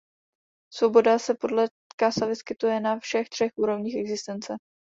Svoboda se podle Casa vyskytuje na všech třech úrovních existence.